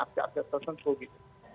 atau tertentu gitu